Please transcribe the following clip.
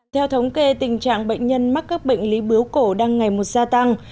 theo thống kê tình trạng bệnh nhân mắc các bệnh lý bướu cổ đang ngày một gia tăng